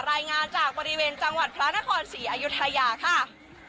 รายงานจากบริเวณจังหวัดพระนครศรีอยุธยาค่ะ